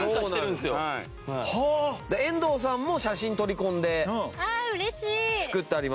遠藤さんも写真取り込んで。